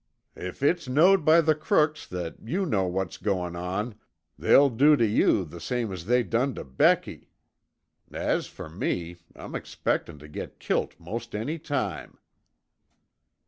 "If it's knowed by the crooks that you know what's goin' on, they'll do tuh you the same as they done tuh Becky. As fer me, I'm expectin' tuh git kilt most any time."